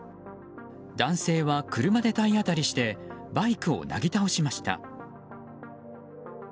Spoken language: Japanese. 男性は車で体当たりしてバイクをなぎ倒しました。